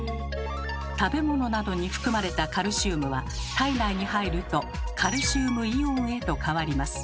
食べ物などに含まれたカルシウムは体内に入るとカルシウムイオンへと変わります。